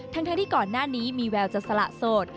ทั้งที่ก่อนหน้านี้มีแววจะสละโสด